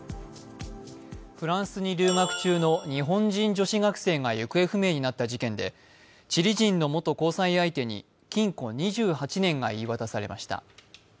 フランスに留学中の日本人女子留学生が行方不明になった事件で、チリ人の元交際相手に禁錮２８年が言い渡されました。